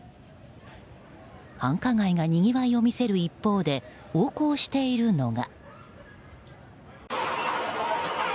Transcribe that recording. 繁華街がにぎわいを見せる一方で横行しているのが。